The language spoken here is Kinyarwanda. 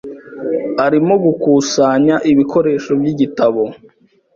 Arimo gukusanya ibikoresho by'igitabo.